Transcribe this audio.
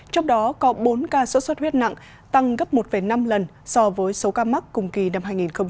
trong đó có bốn ca sốt xuất huyết nặng tăng gấp một năm lần so với số ca mắc cùng kỳ năm hai nghìn hai mươi ba